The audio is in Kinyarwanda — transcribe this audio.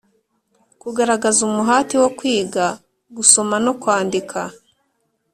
-kugaragaza umuhati wo kwiga gusoma no kwandika.